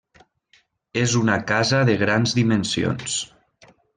És una casa de grans dimensions.